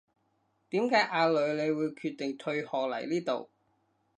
點解阿女你會決定退學嚟呢度